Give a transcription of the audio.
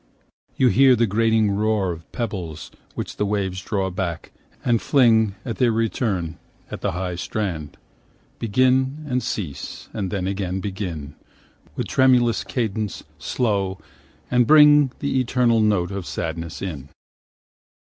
you hear the grating roar Of pebbles which the waves draw back, and fling, 10 At their return, up the high strand, Begin, and cease, and then again begin, With tremulous cadence slow, and bring The eternal note of sadness in.